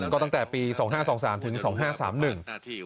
ก็ตั้งแต่ปี๒๕๒๓ถึง๒๕๓๑